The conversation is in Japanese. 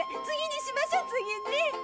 次にしましょ次に。